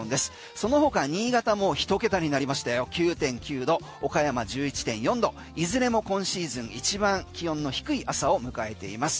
その他新潟も１桁になりまして９．９度岡山１１．４度いずれも今シーズン一番気温の低い朝を迎えています。